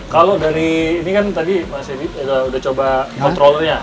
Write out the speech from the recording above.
kalau dari ini kan tadi udah coba controller nya